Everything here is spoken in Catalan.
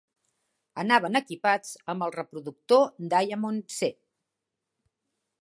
Anaven equipats amb el reproductor Diamond C.